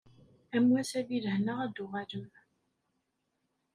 Am wass-a di lehna ad d-tuɣalem.